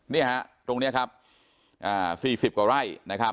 นี่ครับตรงนี้ครับ๔๐กว่าไร่